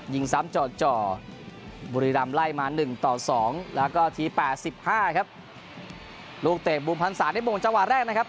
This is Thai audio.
ยิงซ้ำจ่อจ่อบุรีรำไล่มาหนึ่งต่อสองแล้วก็ทีแปดสิบห้าครับลูกเตะบูมพันศาในบ่งจังหวะแรกนะครับ